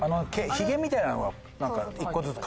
ヒゲみたいなのが１個ずつ。